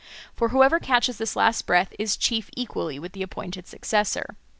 For whoever catches his last breath is chief equally with the appointed successor.